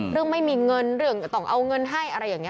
ไม่มีเงินเรื่องก็ต้องเอาเงินให้อะไรอย่างนี้